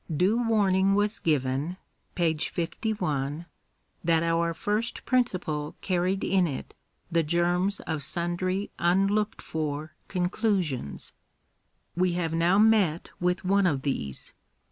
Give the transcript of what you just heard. Due warning was given (p. 51) that our first principle car ried in it the germs of sundry unlocked for conclusions. We have now met with one of these.